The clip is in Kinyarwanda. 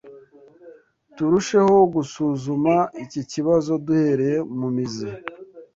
Turusheho Gusuzuma Iki Kibazo duhereye mumizi